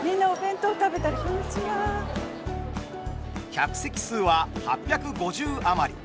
客席数は８５０余り。